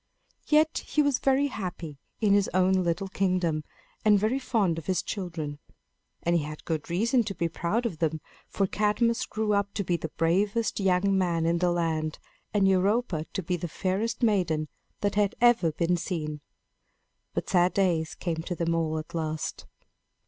Yet he was very happy in his own little kingdom, and very fond of his children. And he had good reason to be proud of them; for Cadmus grew up to be the bravest young man in the land, and Europa to be the fairest maiden that had ever been seen. But sad days came to them all at last.